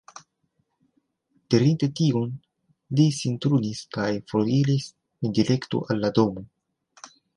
Dirinte tion, li sin turnis kaj foriris en direkto al la domo.